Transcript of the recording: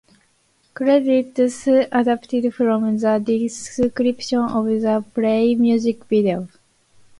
Credits adapted from the description of the "Play" music video.